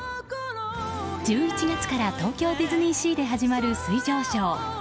１１月から東京ディズニーシーで始まる水上ショー